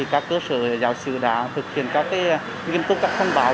các cơ sở giáo sư đã thực hiện các nghiêm túc các thông báo